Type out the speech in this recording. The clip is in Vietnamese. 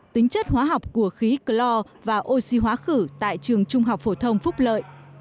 tính chất hóa học của khí clor và oxy hóa khử tại trường trung học phổ thông phúc lợi